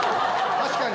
確かに！